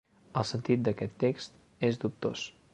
El sentit d'aquest text és dubtós.